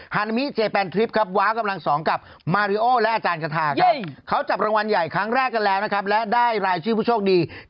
ฮานามีเจนแนค